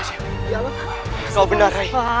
tidak ada apa apa